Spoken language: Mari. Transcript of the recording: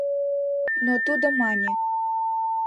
Но тудо мане: